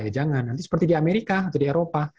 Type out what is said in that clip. jangan seperti di amerika seperti di eropa